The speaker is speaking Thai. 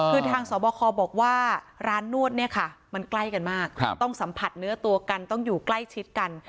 คือทางสอบคอบอกว่าร้านนวดเนี่ยค่ะมันใกล้กันมากต้องสัมผัสเนื้อตัวกันต้องอยู่ใกล้ชิดกัน